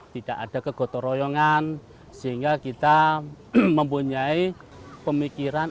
tidak ada kegotoroyongan sehingga kita mempunyai pemikiran